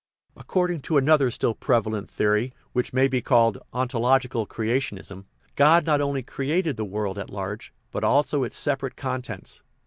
According to another still prevalent theory, which may be called "ontological creationism," God not only created the world at large, but also its separate contents.